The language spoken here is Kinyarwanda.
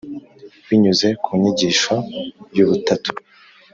binyuze ku nyigisho y’ubutatu.